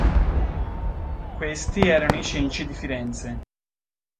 Questi erano i Cenci di Firenze.